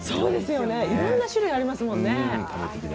いろんな種類がありますもんね。